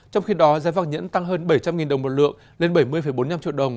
trong khi đó giá vàng nhẫn tăng hơn bảy trăm linh đồng một lượng lên bảy mươi bốn mươi năm triệu đồng